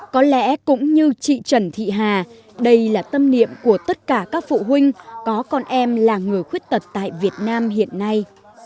có lẽ cũng như chị trần thị hà đây là tâm niệm của tất cả các phụ huynh có con em là người khuyết tật tại việt nam hiện nay